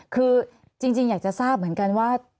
คือจริงอยากจะทราบเหมือนกันว่า